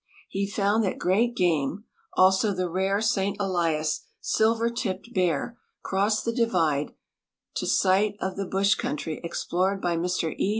He found that great game, also the rare St. Elias silver tipped bear, crossed the divide to sight of the bush country explored Mr E.